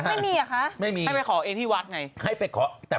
คุณช้างเป็นคนสุพรรณทำไมจะดูหนังตะลุง